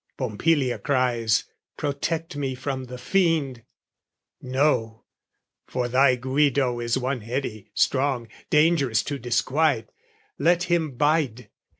Pompilia cries, "Protect me from the fiend!" "No, for thy Guido is one heady, strong, "Dangerous to disquiet: let him bide!